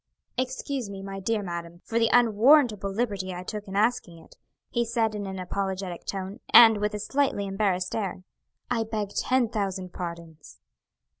"Excuse me, my dear madam, for the unwarrantable liberty I took in asking it," he said in an apologetic tone, and with a slightly embarrassed air. "I beg ten thousand pardons."